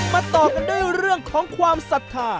ต่อกันด้วยเรื่องของความศรัทธา